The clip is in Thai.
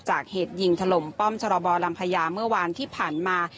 เหตุยิงถล่มป้อมชรบลำพญาเมื่อวานที่ผ่านมา